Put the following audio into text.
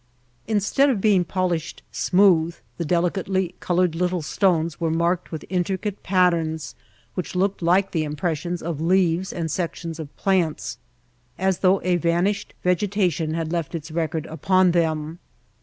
Instead of being polished smooth the delicately colored little stones were marked with intricate pat terns which looked like the impressions of leaves and sections of plants, as though a van ished vegetation had left its record upon them.